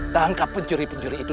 tangkap pencuri pencuri itu